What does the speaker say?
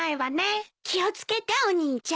気を付けてお兄ちゃん。